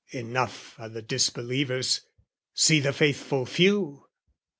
Enough O' the disbelievers, see the faithful few!